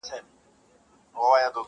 هیڅوک نه وايي چي عقل مرور دی.!